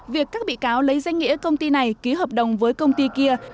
việc các bị cáo lấy danh nghĩa công ty này ký hợp đồng với công ty kia